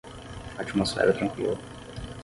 Atmosfera tranquila